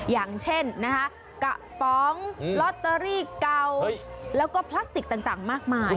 อย่างเช่นนะคะกระป๋องลอตเตอรี่เก่าแล้วก็พลาสติกต่างมากมาย